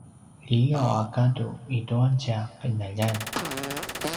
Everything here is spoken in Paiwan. liyaw a gadu itua tja qinaljan